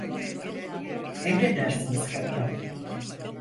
Emredersiniz kaptan.